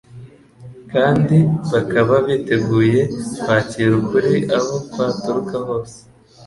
kandi bakaba biteguye kwakira ukuri aho kwaturuka hose.